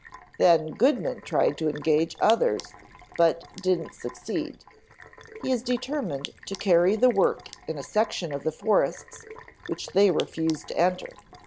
Then Goodman tried to engage others, but didn't succeed. He is determined to carry the work in a section of the forests which they refuse to enter.